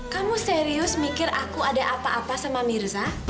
kamu serius mikir aku ada apa apa sama mirza